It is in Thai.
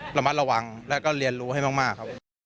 ประมัติระวังแลก็เรียนรู้ให้มาก